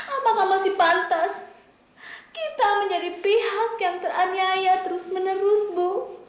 apakah masih pantas kita menjadi pihak yang teraniaya terus menerus bu